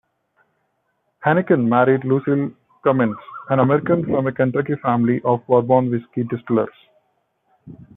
Heineken married Lucille Cummins, an American from a Kentucky family of bourbon whiskey distillers.